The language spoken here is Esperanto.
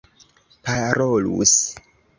parolus